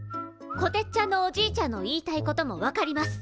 こてつちゃんのおじいちゃんの言いたいことも分かります。